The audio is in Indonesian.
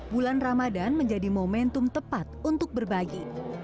bulan ramadan menjadi momentum tepat untuk berbagi